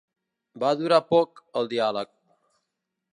Va durar poc, el diàleg.